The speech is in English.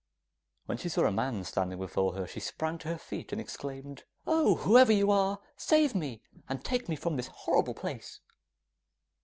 When she saw a man standing before her, she sprang to her feet and exclaimed, 'Oh, whoever you are, save me and take me from this horrible place!